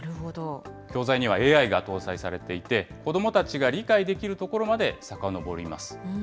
教材にはＡＩが搭載されていて、子どもたちが理解できるところまでさかのぼります。